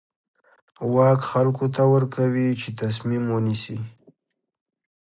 واک خلکو ته ورکوي چې تصمیم ونیسي.